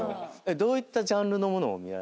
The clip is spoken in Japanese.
どういったジャンルのものを。